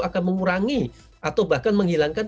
akan mengurangi atau bahkan menghilangkan